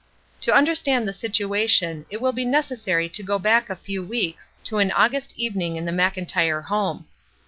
To understand the situation it will be necessary to go back a few weeks to an August evening in the Mclntyre home.